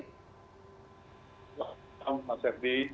selamat malam pak serdi